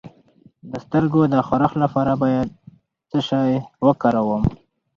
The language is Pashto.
د سترګو د خارښ لپاره باید څه شی وکاروم؟